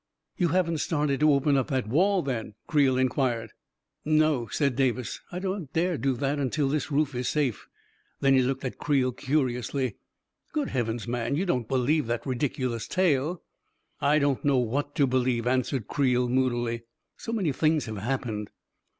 "You haven't started to open up that wall, then? " Creel inquired. " No," said Davis; " I don't dare do that till this roof is safe." Then he looked at Creel curiously. 44 Good heavens, man, you don't believe that ridicu lous tale !"'" I don't know what to believe," answered Creel, moodily. " So many things have happened